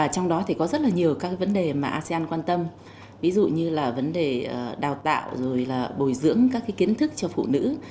trong đó có rất nhiều vấn đề mà asean quan tâm ví dụ như vấn đề đào tạo bồi dưỡng các kiến thức cho phụ nữ